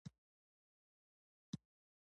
عبدالرحمانه پورته شه او ولیکه.